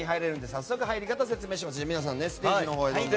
早速、入り方を説明します。